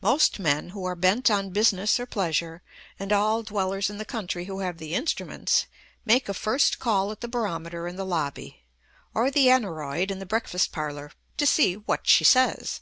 Most men who are bent on business or pleasure, and all dwellers in the country who have the instruments, make a first call at the barometer in the lobby, or the aneroid in the breakfast parlour, to "see what she says."